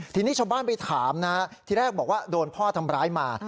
ทีนี้ชาวบ้านไปถามนะทีแรกบอกว่าโดนพ่อทำร้ายมา